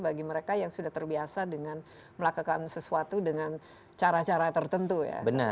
bagi mereka yang sudah terbiasa dengan melakukan sesuatu dengan cara cara tertentu ya